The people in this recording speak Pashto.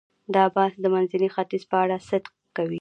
دا بحث د منځني ختیځ په اړه صدق کوي.